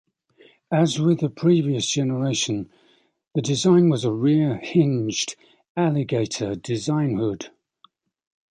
As with the previous generation, the design was a rear-hinged "alligator"-design hood.